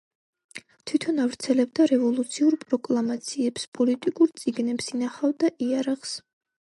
თვითონ ავრცელებდა რევოლუციურ პროკლამაციებს, პოლიტიკურ წიგნებს, ინახავდა იარაღს.